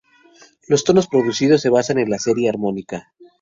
Los tonos producidos se basan en la serie armónica.